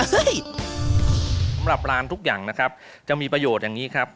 สำหรับร้านทุกอย่างนะครับจะมีประโยชน์อย่างนี้ครับ